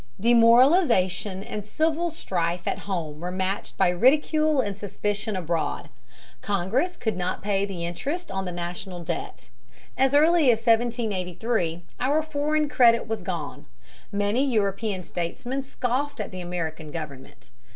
Demoralization and civil strife at home were matched by ridicule and suspicion abroad. Congress could not pay the interest on the national debt. As early as 1783 our foreign credit was gone. Many European statesmen scoffed at the American government.